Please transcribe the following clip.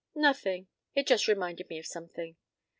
p> "Nothing. It just reminded me of something."